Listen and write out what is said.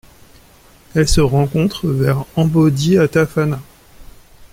Elle se rencontre vers Ambodihatafana.